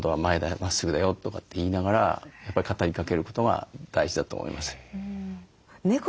まっすぐだよ」とかって言いながらやっぱり語りかけることが大事だと思います。